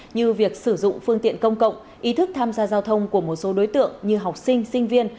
như việc sử dụng phương tiện công cộng ý thức tham gia giao thông của một số đối tượng như học sinh sinh viên